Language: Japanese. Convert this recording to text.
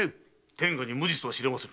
天下に無実が知れます。